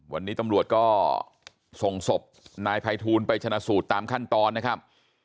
วันนี้ตำรวจก็ส่งศพนายภัยทูลไปชนะสูตรตามขั้นตอนนะครับ